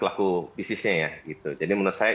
pelaku bisnisnya ya gitu jadi menurut saya